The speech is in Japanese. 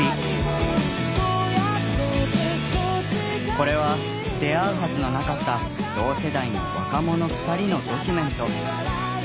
これは出会うはずのなかった同世代の若者２人のドキュメント。